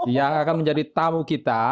yang akan menjadi tamu kita